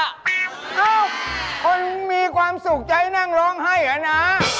นุ่บคนมีความสุขใจนั่งร้องให้ล่ะนะ